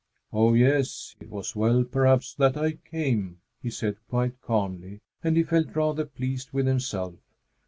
"Oh, yes, it was well perhaps that I came," he said quite calmly, and he felt rather pleased with himself.